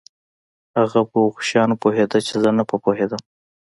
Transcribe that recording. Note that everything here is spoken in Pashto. هغه په هغو شیانو پوهېده چې زه نه په پوهېدم.